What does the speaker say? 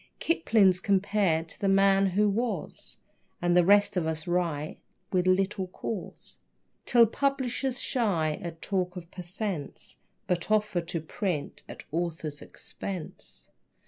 Kipling's compared to "The Man Who Was," And the rest of us write with little cause, Till publishers shy at talk of per cents., But offer to print "at author's expense."